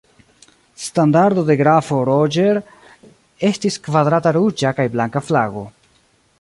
Standardo de grafo Roger estis kvadrata ruĝa kaj blanka flago.